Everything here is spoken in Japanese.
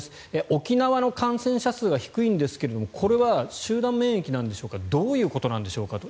沖縄の感染者数は低いんですけれどもこれは集団免疫なんでしょうかどういうことなんでしょうか。